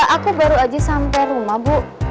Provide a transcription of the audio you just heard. aku baru aja sampai rumah bu